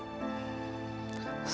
ya sudah lupa ya